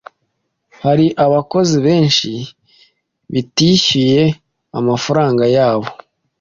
hari abakozi benshi bitishyuye amafaranga yabo,